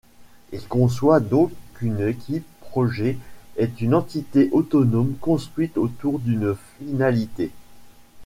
Il conçoit donc qu'une équipe projet est une entité autonome construite autour d’une finalité.